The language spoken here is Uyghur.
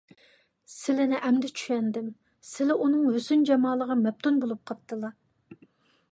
سىلىنى ئەمدى چۈشەندىم، سىلى ئۇنىڭ ھۆسن - جامالىغا مەپتۇن بولۇپ قاپتىلا.